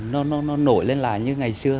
nó nổi lên lại như ngày xưa